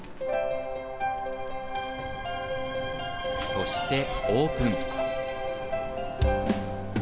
そしてオープン。